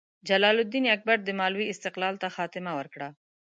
جلال الدین اکبر د مالوې استقلال ته خاتمه ورکړه.